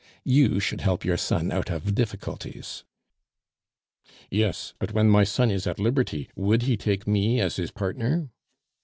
You should help your son out of difficulties." "Yes; but when my son is at liberty, would he take me as his partner?"